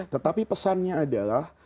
tetapi pesannya adalah